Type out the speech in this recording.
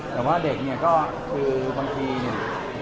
แต่ว่าเด็กเนี่ยก็คือบางทีเนี่ย